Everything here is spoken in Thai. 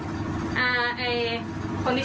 แล้วพอกลับมาจะไปข้ามไปอีกฝั่งรถนะคะ